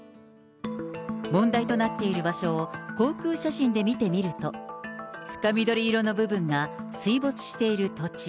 問題となっている場所を、航空写真で見てみると、深緑色の部分が水没している土地。